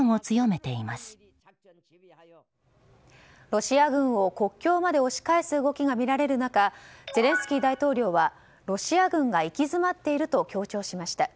ロシア軍を国境まで押し返す動きが見られる中ゼレンスキー大統領はロシア軍が行き詰っていると強調しました。